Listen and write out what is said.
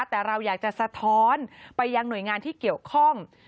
แต่เราอยากจะสะท้อนไปยังหน่วยงานที่เกี่ยวข้อง